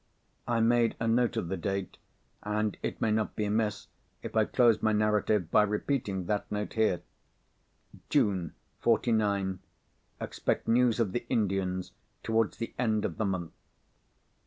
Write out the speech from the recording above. I made a note of the date, and it may not be amiss if I close my narrative by repeating that note here: _June, 'forty nine. Expect news of the Indians, towards the end of the month.